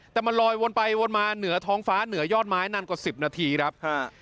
แต่มันลอยวนไปวนมาเหนือท้องฟ้าเหนือยอดไม้นานกว่าสิบนาทีครับ